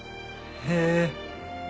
へえ。